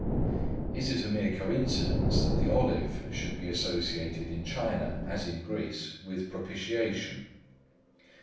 Is it a mere coincidence that the olive should be associated in China, as in Greece, with propitiation?